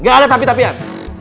gak ada tapi tapian